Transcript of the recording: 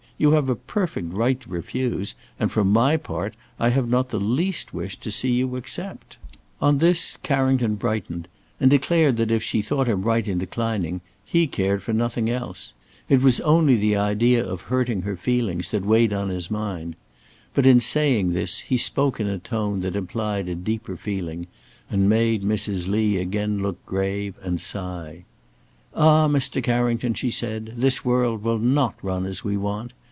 You have a perfect right to refuse, and, for my part, I have not the least wish to see you accept." On this, Carrington brightened, and declared that if she thought him right in declining, he cared for nothing else. It was only the idea of hurting her feelings that weighed on his mind. But in saying this, he spoke in a tone that implied a deeper feeling, and made Mrs. Lee again look grave and sigh. "Ah, Mr. Carrington," she said, "this world will not run as we want.